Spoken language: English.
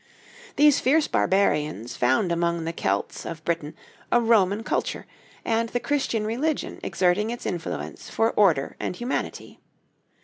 These fierce barbarians found among the Celts of Britain a Roman culture, and the Christian religion exerting its influence for order and humanity.